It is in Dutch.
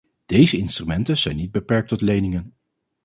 Deze instrumenten zijn niet beperkt tot leningen.